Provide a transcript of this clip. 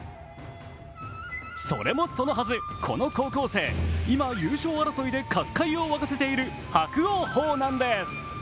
それもそのはず、この高校生今、優勝争いで角界を沸かせている伯桜鵬なんです。